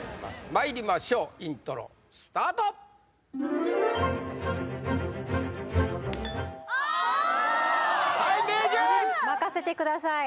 まいりましょうイントロスタートはいＭａｙＪ．任せてください